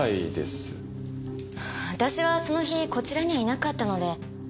私はその日こちらにはいなかったので。